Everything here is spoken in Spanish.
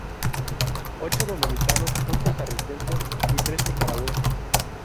Ocho dominicanos, un costarricense y tres nicaragüenses.